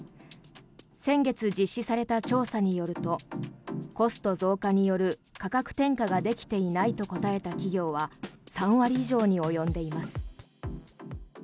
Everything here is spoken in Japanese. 先月実施された調査によるとコスト増加による価格転嫁ができていないと答えた企業は３割以上に及んでいます。